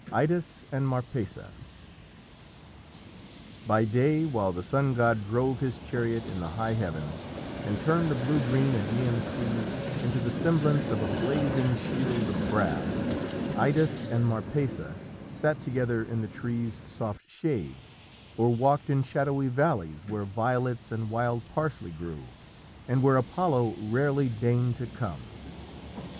IDAS AND MARPESSA By day, while the sun god drove his chariot in the high heavens and turned the blue green Ægean Sea into the semblance of a blazing shield of brass, Idas and Marpessa sat together in the trees' soft shades, or walked in shadowy valleys where violets and wild parsley grew, and where Apollo rarely deigned to come.